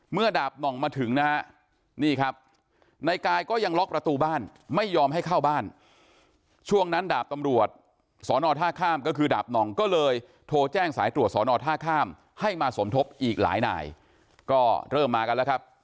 ดาบหน่องมาถึงนะฮะนี่ครับนายกายก็ยังล็อกประตูบ้านไม่ยอมให้เข้าบ้านช่วงนั้นดาบตำรวจสอนอท่าข้ามก็คือดาบหน่องก็เลยโทรแจ้งสายตรวจสอนอท่าข้ามให้มาสมทบอีกหลายนายก็เริ่มมากันแล้วครับ